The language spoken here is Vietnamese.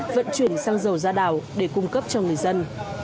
vận chuyển xăng dầu ra đảo để cung cấp cho người dân